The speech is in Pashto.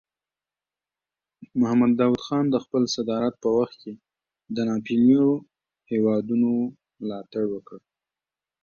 محمد داود خان د خپل صدارت په وخت کې د ناپېیلو هیوادونو ملاتړ وکړ.